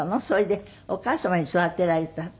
それでお母様に育てられた。